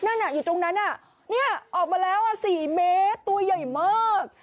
นั่นอยู่ตรงนั้นออกมาแล้ว๔เมตรตัวใหญ่มาก